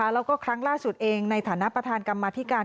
แล้วก็ครั้งล่าสุดเองในฐานะประธานกรรมธิการ